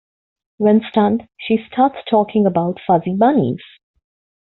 When stunned, she starts talking about "fuzzy bunnies".